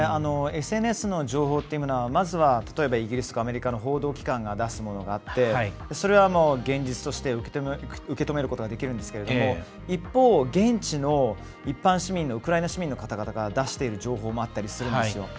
ＳＮＳの情報というのがまずは例えばイギリスとアメリカの報道機関が出すものがあってそれは現実として受け止めることができるんですけど一方、現地の一般市民のウクライナ市民の方々が出している情報もあったりするんです。